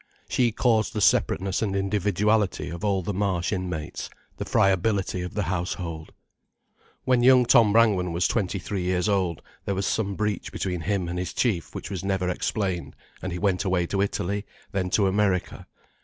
She caused the separateness and individuality of all the Marsh inmates, the friability of the household. When young Tom Brangwen was twenty three years old there was some breach between him and his chief which was never explained, and he went away to Italy, then to America.